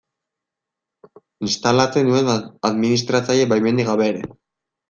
Instalatzen nuen administratzaile baimenik gabe ere.